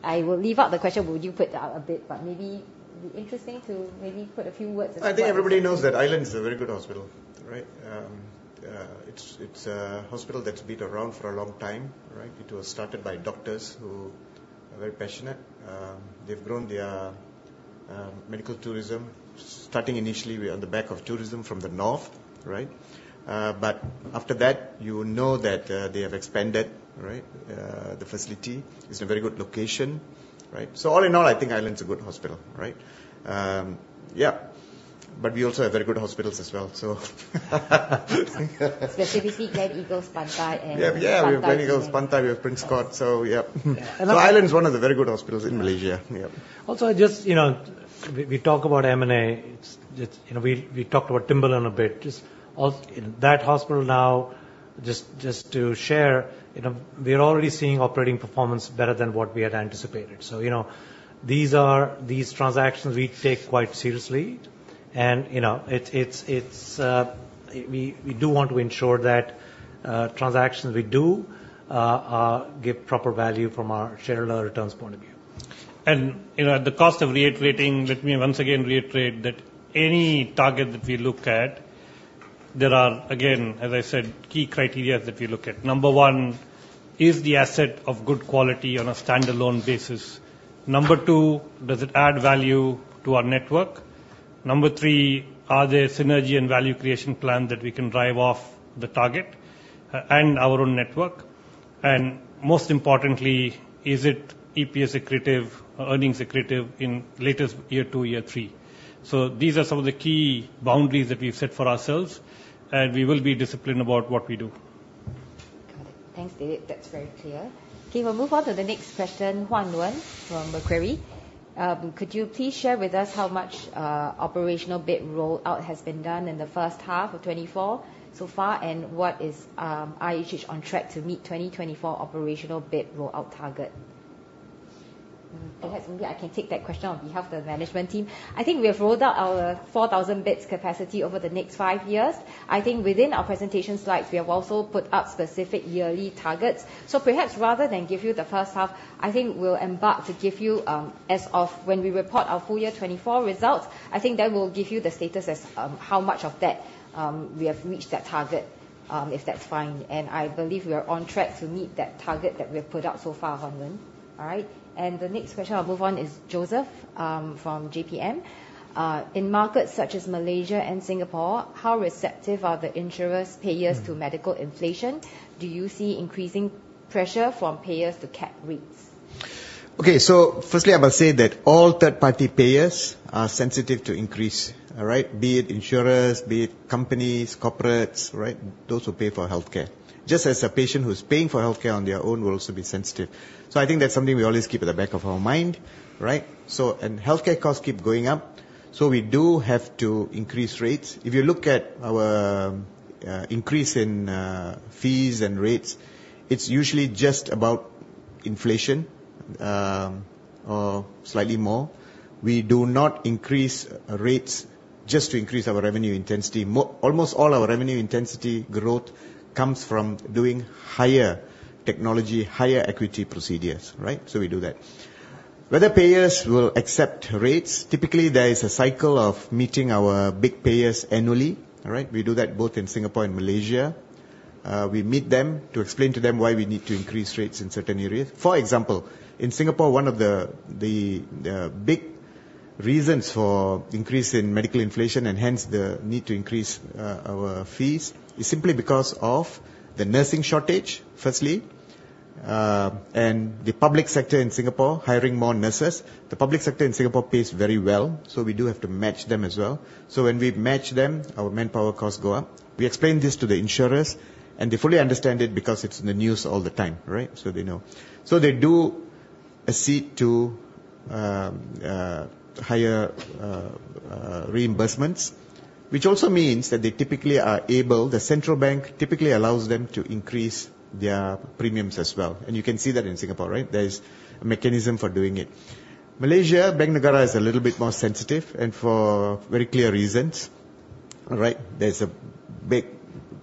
I will leave out the question, would you put it out a bit, but maybe it'd be interesting to maybe put a few words- I think everybody knows that Island is a very good hospital, right? It's a hospital that's been around for a long time, right? It was started by doctors who are very passionate. They've grown their medical tourism, starting initially on the back of tourism from the north, right? But after that, you know that they have expanded, right? The facility is a very good location, right? So all in all, I think Island's a good hospital, right? But we also have very good hospitals as well, so. Specifically, Gleneagles, Pantai and- Yeah, yeah, we have Gleneagles, Pantai, we have Prince Court. So yeah. Yeah. Island is one of the very good hospitals in Malaysia. Yeah. Also, I just, you know, we talk about M&A. It's, it's. You know, we talked about Timberland a bit. Just in that hospital now, just to share, you know, we are already seeing operating performance better than what we had anticipated. So, you know, these transactions we take quite seriously. And, you know, it's, we do want to ensure that transactions we do give proper value from our shareholder returns point of view. And, you know, at the cost of reiterating, let me once again reiterate that any target that we look at, there are, again, as I said, key criteria that we look at. Number one, is the asset of good quality on a standalone basis? Number two, does it add value to our network? Number three, are there synergy and value creation plan that we can drive off the target, and our own network? And most importantly, is it EPS accretive, earnings accretive in latest year two, year three? So these are some of the key boundaries that we've set for ourselves, and we will be disciplined about what we do. Got it. Thanks, Dilip. That's very clear. Okay, we'll move on to the next question. Huan Luan from Macquarie. Could you please share with us how much operational bed rollout has been done in the first half of 2024 so far, and what is IHH on track to meet 2024 operational bed rollout target? Perhaps, maybe I can take that question on behalf of the management team. I think we have rolled out our 4,000 beds capacity over the next five years. I think within our presentation slides, we have also put up specific yearly targets. So perhaps rather than give you the first half, I think we'll embark to give you as of when we report our full year 2024 results. I think that will give you the status as, how much of that, we have reached that target, if that's fine. And I believe we are on track to meet that target that we have put out so far, Huan Luan. All right. And the next question, I'll move on, is Joseph, from JPM. In markets such as Malaysia and Singapore, how receptive are the insurers, payers, to medical inflation? Do you see increasing pressure from payers to cap rates? Okay, so firstly, I will say that all third-party payers are sensitive to increase, all right? Be it insurers, be it companies, corporates, right, those who pay for healthcare. Just as a patient who's paying for healthcare on their own will also be sensitive. So I think that's something we always keep at the back of our mind, right? So, and healthcare costs keep going up, so we do have to increase rates. If you look at our increase in fees and rates, it's usually just about inflation, or slightly more. We do not increase rates just to increase our revenue intensity. Almost all our revenue intensity growth comes from doing higher technology, higher acuity procedures, right? So we do that. Whether payers will accept rates, typically there is a cycle of meeting our big payers annually, all right? We do that both in Singapore and Malaysia. We meet them to explain to them why we need to increase rates in certain areas. For example, in Singapore, one of the big reasons for increase in medical inflation, and hence the need to increase our fees, is simply because of the nursing shortage, firstly, and the public sector in Singapore hiring more nurses. The public sector in Singapore pays very well, so we do have to match them as well. So when we match them, our manpower costs go up. We explain this to the insurers, and they fully understand it because it's in the news all the time, right? So they know. So they do accede to higher reimbursements, which also means that they typically are able... The central bank typically allows them to increase their premiums as well, and you can see that in Singapore, right? There is a mechanism for doing it. Malaysia, Bank Negara, is a little bit more sensitive, and for very clear reasons. All right? There's a big,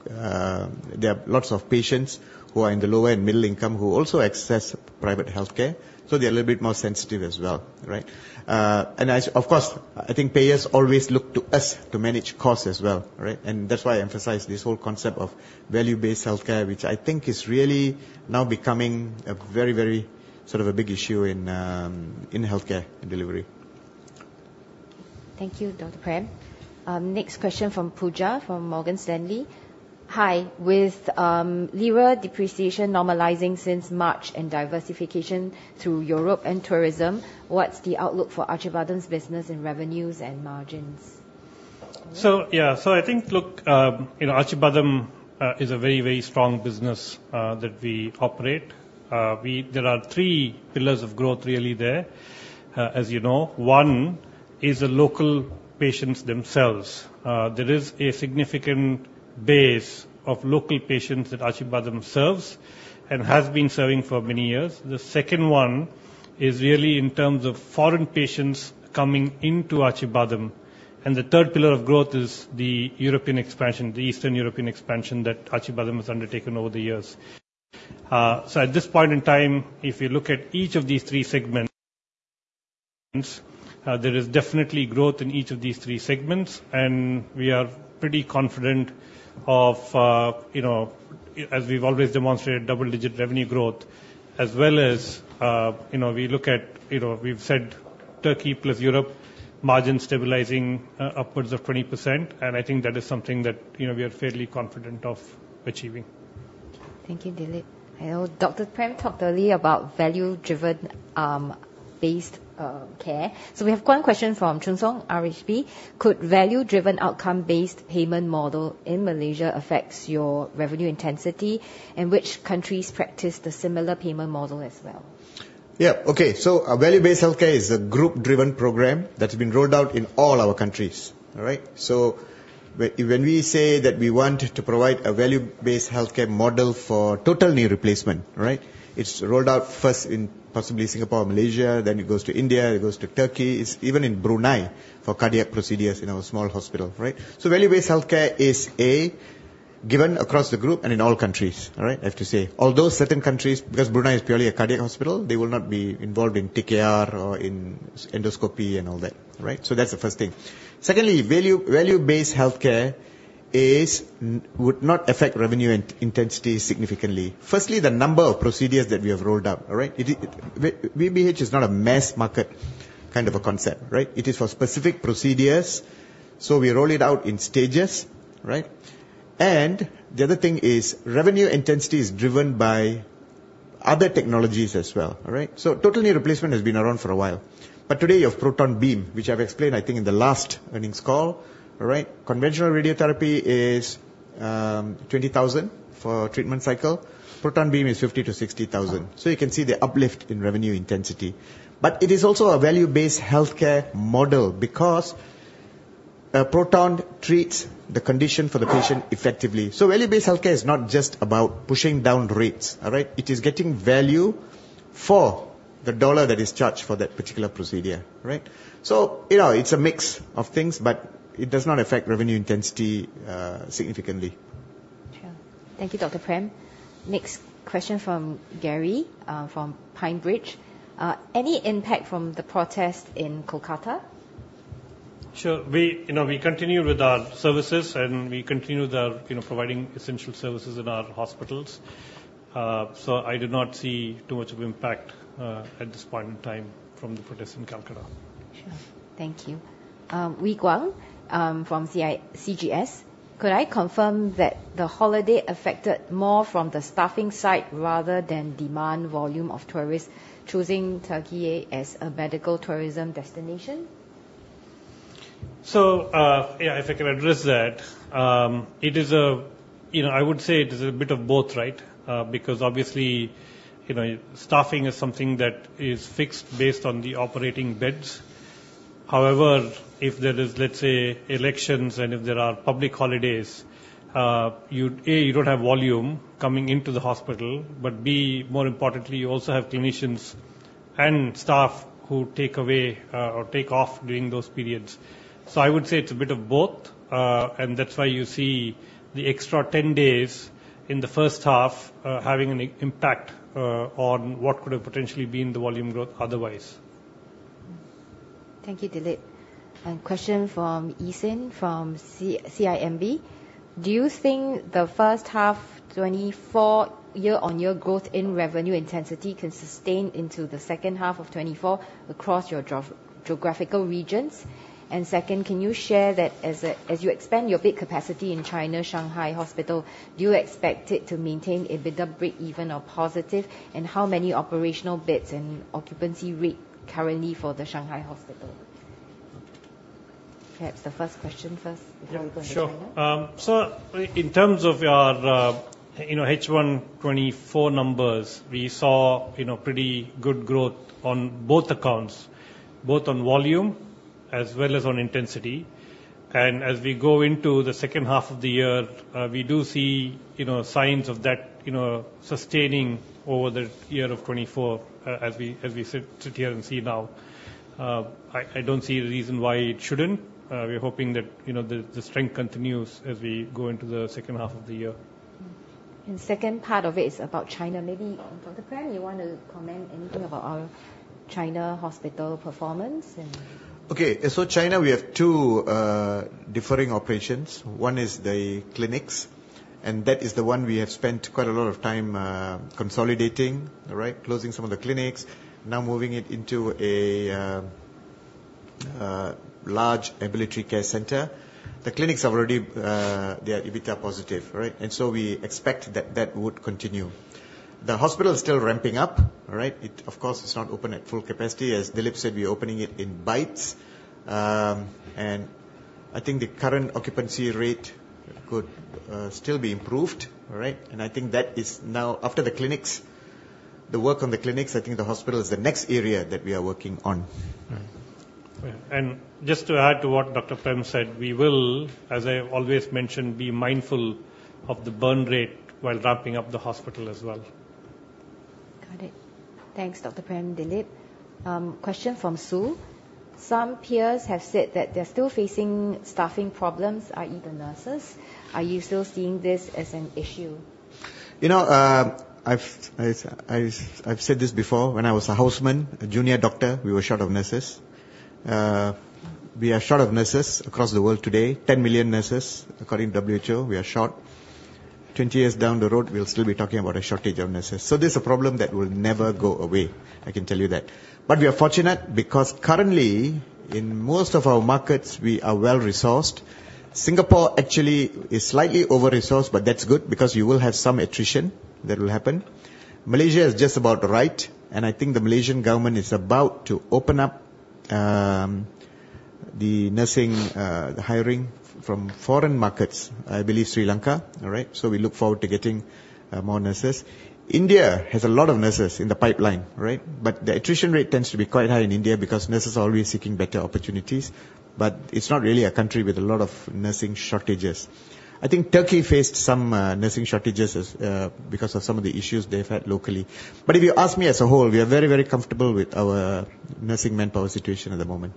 there are lots of patients who are in the low and middle income who also access private healthcare, so they're a little bit more sensitive as well, right? And as, of course, I think payers always look to us to manage costs as well, right? And that's why I emphasize this whole concept of value-based healthcare, which I think is really now becoming a very, very sort of a big issue in, in healthcare delivery. Thank you, Dr. Prem. Next question from Pooja from Morgan Stanley. Hi. With Lira depreciation normalizing since March and diversification through Europe and tourism, what's the outlook for Acıbadem's business in revenues and margins? Yeah. I think, look, you know, Acıbadem is a very, very strong business that we operate. There are three pillars of growth, really, there, as you know. One is the local patients themselves. There is a significant base of local patients that Acıbadem serves and has been serving for many years. The second one is really in terms of foreign patients coming into Acıbadem, and the third pillar of growth is the European expansion, the Eastern European expansion, that Acıbadem has undertaken over the years. So at this point in time, if you look at each of these three segments, there is definitely growth in each of these three segments, and we are pretty confident of, you know, as we've always demonstrated, double-digit revenue growth, as well as, you know, we look at, you know, we've said Turkey plus Europe, margin stabilizing, upwards of 20%, and I think that is something that, you know, we are fairly confident of achieving. Thank you, Dilip. I know Dr. Prem talked early about value-driven, based, care. So we have one question from Chun Sung, RHB. Could value-driven, outcome-based payment model in Malaysia affects your revenue intensity, and which countries practice the similar payment model as well? Yeah. Okay, so a value-based healthcare is a group-driven program that's been rolled out in all our countries. All right? So when we say that we want to provide a value-based healthcare model for total knee replacement, right, it's rolled out first in possibly Singapore or Malaysia, then it goes to India, it goes to Turkey. It's even in Brunei for cardiac procedures in our small hospital, right? So value-based healthcare is, A, given across the group and in all countries. All right? I have to say. Although certain countries, because Brunei is purely a cardiac hospital, they will not be involved in TKR or in endoscopy and all that, right? So that's the first thing. Secondly, value-based healthcare would not affect revenue intensity significantly. Firstly, the number of procedures that we have rolled out, all right? It, it... VBH is not a mass market kind of a concept, right? It is for specific procedures, so we roll it out in stages, right? And the other thing is, revenue intensity is driven by other technologies as well, all right? So total knee replacement has been around for a while, but today you have proton beam, which I've explained, I think, in the last earnings call, right? Conventional radiotherapy is 20,000 for a treatment cycle. Proton beam is 50,000-60,000. So you can see the uplift in revenue intensity. But it is also a value-based healthcare model because proton treats the condition for the patient effectively. So value-based healthcare is not just about pushing down rates, all right? It is getting value for the dollar that is charged for that particular procedure, right? You know, it's a mix of things, but it does not affect revenue intensity significantly. Sure. Thank you, Dr. Prem. Next question from Gary, from PineBridge. Any impact from the protest in Kolkata? Sure. We, you know, we continue with our services, and we continue the, you know, providing essential services in our hospitals. So I do not see too much of impact, at this point in time from the protest in Kolkata. Sure. Thank you. Wee Kuang, from CGS, could I confirm that the holiday affected more from the staffing side rather than demand volume of tourists choosing Turkey as a medical tourism destination? So, yeah, if I can address that, it is a, you know, I would say it is a bit of both, right? Because obviously, you know, staffing is something that is fixed based on the operating beds. However, if there is, let's say, elections and if there are public holidays, you'd, A, you don't have volume coming into the hospital, but B, more importantly, you also have clinicians and staff who take away, or take off during those periods. So I would say it's a bit of both. And that's why you see the extra 10 days in the first half, having an impact, on what could have potentially been the volume growth otherwise. Thank you, Dilip. And question from Yi Sin from CIMB: Do you think the first half 2024 year-on-year growth in revenue intensity can sustain into the second half of 2024 across your geographical regions? And second, can you share that as you expand your bed capacity in Parkway Shanghai Hospital, do you expect it to maintain EBITDA breakeven or positive? And how many operational beds and occupancy rate currently for the Shanghai Hospital? Perhaps the first question first before we go to China. Sure. So in terms of our, you know, H1 2024 numbers, we saw, you know, pretty good growth on both accounts, both on volume as well as on intensity. And as we go into the second half of the year, we do see, you know, signs of that, you know, sustaining over the year of 2024, as we, as we sit here and see now. I don't see a reason why it shouldn't. We're hoping that, you know, the strength continues as we go into the second half of the year. And second part of it is about China. Maybe, Dr. Prem, you want to comment anything about our China hospital performance and- Okay. So China, we have two differing operations. One is the clinics, and that is the one we have spent quite a lot of time consolidating, all right? Closing some of the clinics, now moving it into a large ambulatory care center. The clinics are already, they are EBITDA positive, all right? And so we expect that that would continue. The hospital is still ramping up, all right? It, of course, is not open at full capacity. As Dilip said, we're opening it in bites. And I think the current occupancy rate could still be improved, all right? And I think that is now... After the clinics, the work on the clinics, I think the hospital is the next area that we are working on. Mm-hmm, and just to add to what Dr. Prem said, we will, as I have always mentioned, be mindful of the burn rate while ramping up the hospital as well. Got it. Thanks, Dr. Prem, Dilip. Question from Sue: Some peers have said that they're still facing staffing problems, i.e., the nurses. Are you still seeing this as an issue? You know, I've said this before, when I was a houseman, a junior doctor, we were short of nurses. We are short of nurses across the world today, 10 million nurses, according to WHO, we are short. 20 years down the road, we'll still be talking about a shortage of nurses, so this is a problem that will never go away, I can tell you that. But we are fortunate because currently, in most of our markets, we are well-resourced. Singapore actually is slightly over-resourced, but that's good because you will have some attrition that will happen. Malaysia is just about right, and I think the Malaysian government is about to open up, the nursing, the hiring from foreign markets, I believe Sri Lanka. All right? So we look forward to getting more nurses. India has a lot of nurses in the pipeline, right? But the attrition rate tends to be quite high in India because nurses are always seeking better opportunities. But it's not really a country with a lot of nursing shortages. I think Turkey faced some nursing shortages because of some of the issues they've had locally. But if you ask me, as a whole, we are very, very comfortable with our nursing manpower situation at the moment.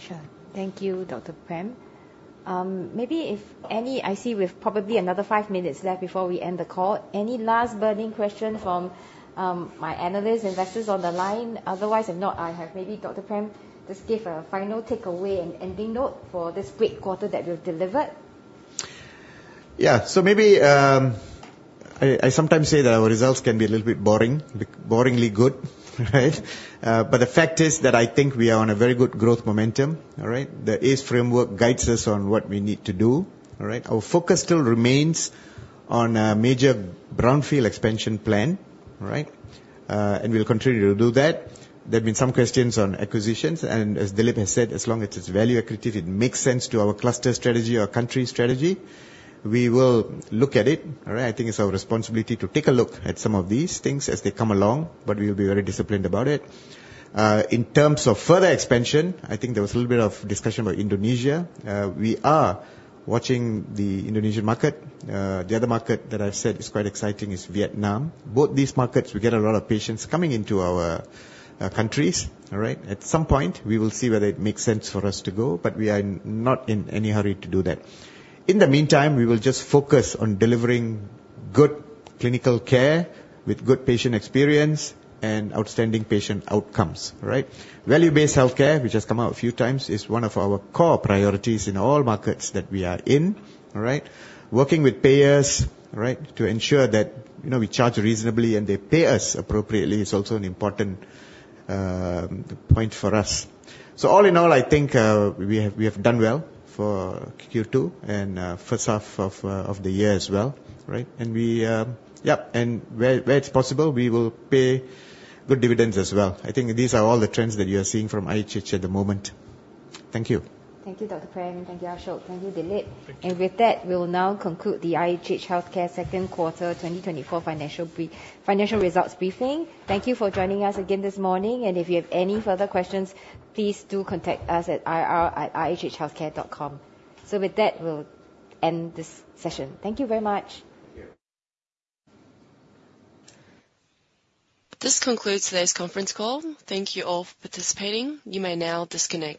Sure. Thank you, Dr. Prem. Maybe if any. I see we've probably another five minutes left before we end the call. Any last burning questions from my analysts, investors on the line? Otherwise, if not, I have maybe Dr. Prem just give a final takeaway and ending note for this great quarter that we've delivered. Yeah. So maybe, I sometimes say that our results can be a little bit boring, boringly good, right? But the fact is that I think we are on a very good growth momentum, all right? The ACE Framework guides us on what we need to do, all right? Our focus still remains on a major brownfield expansion plan, all right? And we'll continue to do that. There have been some questions on acquisitions, and as Dilip has said, as long as it's value accretive, it makes sense to our cluster strategy, our country strategy, we will look at it, all right? I think it's our responsibility to take a look at some of these things as they come along, but we'll be very disciplined about it. In terms of further expansion, I think there was a little bit of discussion about Indonesia. We are watching the Indonesian market. The other market that I've said is quite exciting is Vietnam. Both these markets, we get a lot of patients coming into our countries, all right? At some point, we will see whether it makes sense for us to go, but we are not in any hurry to do that. In the meantime, we will just focus on delivering good clinical care with good patient experience and outstanding patient outcomes, all right? Value-based healthcare, which has come out a few times, is one of our core priorities in all markets that we are in, all right? Working with payers, all right, to ensure that, you know, we charge reasonably, and they pay us appropriately, is also an important point for us. So all in all, I think we have done well for Q2, and first half of the year as well, right? And we yep, and where it's possible, we will pay good dividends as well. I think these are all the trends that you are seeing from IHH at the moment. Thank you. Thank you, Dr. Prem. Thank you, Ashok. Thank you, Dilip. Thank you. With that, we'll now conclude the IHH Healthcare second quarter 2024 financial results briefing. Thank you for joining us again this morning, and if you have any further questions, please do contact us at ir@ihhhealthcare.com. With that, we'll end this session. Thank you very much. Thank you. This concludes today's conference call. Thank you all for participating. You may now disconnect.